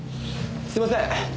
すいません。